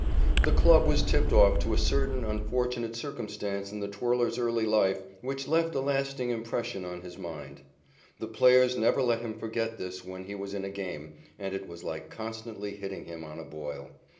The club was tipped off to a certain, unfortunate circumstance in the twirler's early life which left a lasting impression on his mind. The players never let him forget this when he was in a game, and it was like constantly hitting him on a boil.